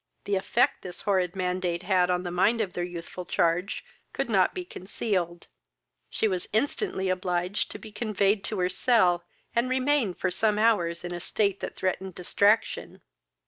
The effect this horrid mandate had on the mind of their youthful charge could not be concealed: she was instantly obliged to be conveyed to her cell, and remained for some hours in a state that threatened destraction.